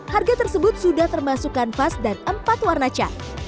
harga tersebut sudah termasuk kanvas dan empat warna cat